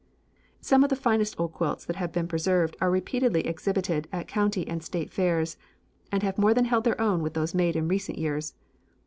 Some of the finest old quilts that have been preserved are repeatedly exhibited at county and state fairs, and have more than held their own with those made in recent years.